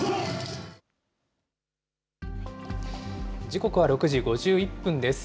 時刻は６時５１分です。